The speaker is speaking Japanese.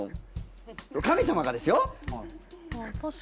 神様がですよ？